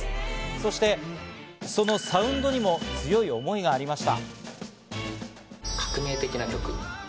そして、そのサウンドにも強い思いがありました。